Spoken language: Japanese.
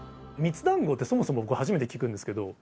みつだんごって、そもそも僕、初めて聞くんですけど。